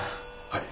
はい。